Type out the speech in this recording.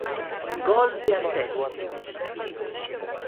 Gol de Asensio.